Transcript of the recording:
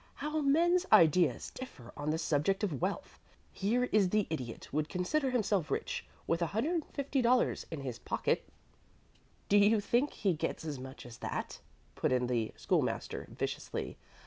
How men's ideas differ on the subject of wealth! Here is the Idiot would consider himself rich with $150 in his pocket " "Do you think he gets as much as that?" put in the School master, viciously.